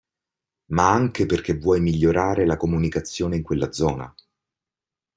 Ma anche perché vuoi migliorare la comunicazione in quella zona.